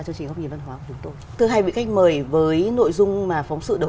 chương trình góc nhìn văn hóa của chúng tôi thưa hai vị khách mời với nội dung mà phóng sự đầu